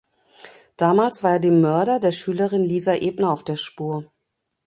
Damals war er dem Mörder der Schülerin Lisa Ebner auf der Spur.